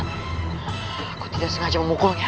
aku tidak sengaja memukulnya